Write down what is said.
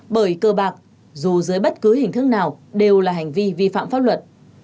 bởi cơ bạc dù dưới bất cứ hình thức nào đều là hành vi vi phạm pháp luật